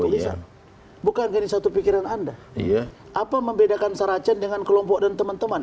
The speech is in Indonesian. bisa bukan jadi satu pikiran anda apa membedakan saracen dengan kelompok dan teman teman